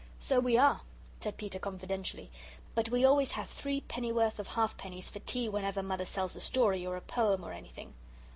"So we are," said Peter, confidentially, "but we always have three pennyworth of halfpennies for tea whenever Mother sells a story or a poem or anything."